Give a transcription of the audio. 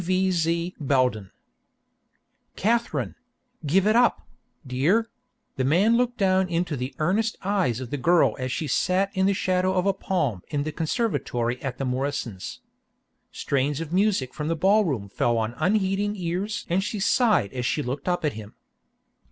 V.Z. BELDEN "Katherine give it up, dear " The man looked down into the earnest eyes of the girl as she sat in the shadow of a palm in the conservatory at the Morrison's. Strains of music from the ball room fell on unheeding ears and she sighed as she looked up at him.